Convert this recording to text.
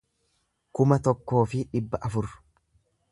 kuma tokkoo fi dhibba afur